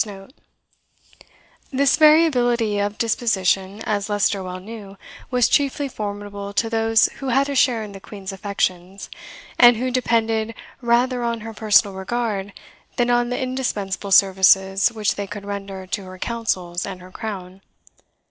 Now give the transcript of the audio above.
] This variability of disposition, as Leicester well knew, was chiefly formidable to those who had a share in the Queen's affections, and who depended rather on her personal regard than on the indispensable services which they could render to her councils and her crown.